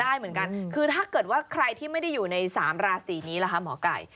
ได้เหมือนกันคือถ้าเกิดว่าใครที่ไม่ได้อยู่ในสามราศีนี้ล่ะคะหมอไก่